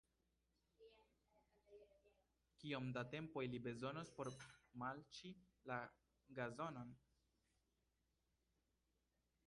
Kiom da tempo ili bezonos por falĉi la gazonon?